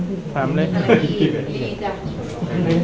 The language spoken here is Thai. พร้อมครับถามให้ด้วยครับ